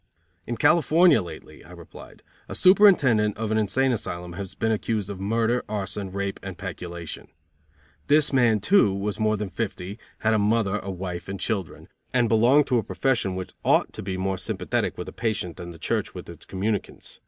"In California lately," I replied, "A superintendent of an insane asylum has been accused of murder, arson, rape and peculation. This man, too, was more than fifty, had a mother, a wife and children, and belonged to a profession which ought to be more sympathetic with a patient than the church with its communicants.